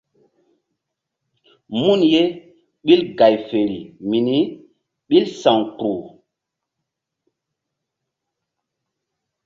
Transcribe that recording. Mun ye ɓil gay feri mini ɓil sa̧w kpuh.